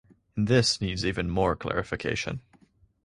And this needs even more clarification.